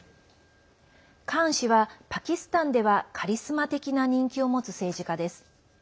カーン氏は、パキスタンではカリスマ的な人気を持つ政治家です。